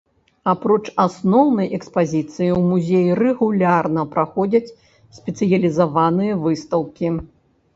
Апроч асноўнай экспазіцыі ў музеі рэгулярна праходзяць спецыялізаваныя выстаўкі.